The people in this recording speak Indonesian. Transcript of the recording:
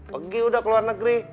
pergi udah ke luar negeri